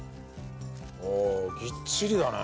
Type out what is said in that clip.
ああぎっちりだね。